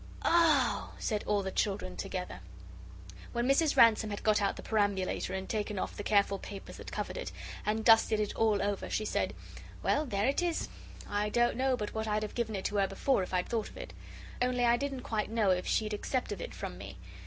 "OH!" said all the children together. When Mrs. Ransome had got out the perambulator and taken off the careful papers that covered it, and dusted it all over, she said: "Well, there it is. I don't know but what I'd have given it to her before if I'd thought of it. Only I didn't quite know if she'd accept of it from me.